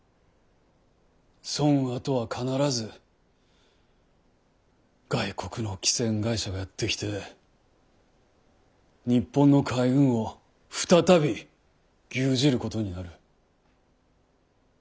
そんあとは必ず外国の汽船会社がやって来て日本の海運を再び牛耳ることになる。